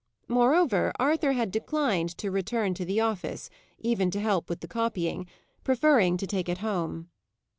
Moreover, Arthur had declined to return to the office, even to help with the copying, preferring to take it home.